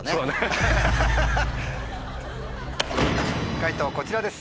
解答こちらです。